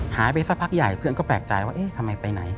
หายไปสักพักใหญ่เพื่อนก็แปลกใจว่าเอ๊ะทำไมไปไหน